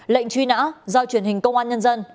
lệnh truy nã do truyền hình công an nhân dân